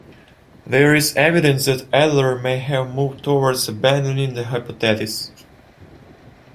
There is evidence that Adler may have moved towards abandoning the hypothesis.